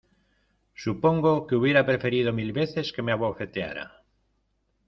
supongo que hubiera preferido mil veces que me abofeteara